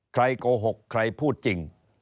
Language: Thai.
โกหกใครพูดจริง